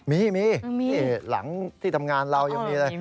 มีมีหลังที่ทำงานเรายังมีเลย